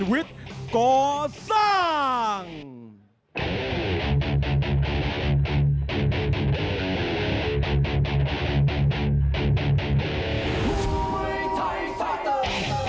สวัสดีครับทายุรัฐมวยไทยไฟตเตอร์